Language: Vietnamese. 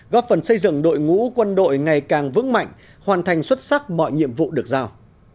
góp phần xây dựng đội ngũ quân đội ngày càng vững mạnh hoàn thành xuất sắc mọi nhiệm vụ được giao